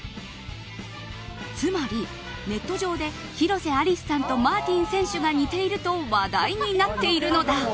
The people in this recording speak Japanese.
つまり、ネット上で広瀬アリスさんとマーティン選手が似ていると話題になっているのだ。